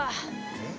えっ？